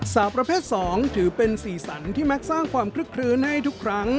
สาวประเภท๒ถือเป็นสีสันที่มักสร้างความคลึกคลื้นให้ทุกครั้ง